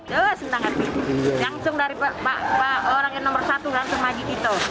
ya senang hati langsung dari pak pak orang yang nomor satu langsung maju gitu